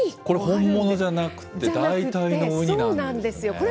これ本物じゃなくて代替のウニなんですね。